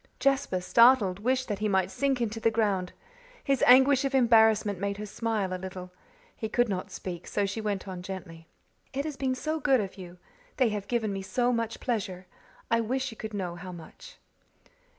Jasper, startled, wished that he might sink into the ground. His anguish of embarrassment made her smile a little. He could not speak, so she went on gently. "It has been so good of you. They have given me so much pleasure I wish you could know how much."